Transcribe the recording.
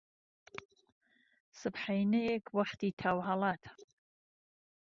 سبحەینێەک وەختی تاو هەڵاتە